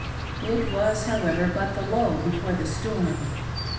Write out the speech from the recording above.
It was, however, but the lull before the storm.